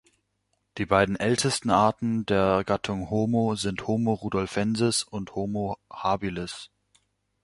Die beiden ältesten Arten der Gattung "Homo" sind "Homo rudolfensis" und "Homo habilis".